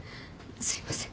すいません。